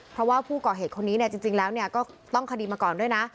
เพราะว่าผู้ก่อเหตุคนนี้จริงแล้วก็ต้องคดีมาก่อนด้วยนะ